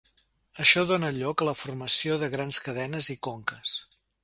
Això dóna lloc a la formació de grans cadenes i conques.